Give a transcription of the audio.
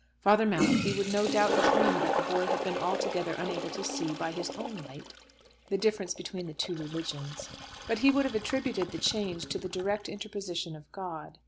Father Malachi would no doubt have owned that the boy had been altogether unable to see, by his own light, the difference between the two religions. But he would have attributed the change to the direct interposition of God.